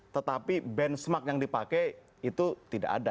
tetapi benchmark yang dipakai itu tidak ada